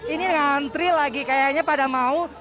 ini ngantri lagi kayaknya pada mau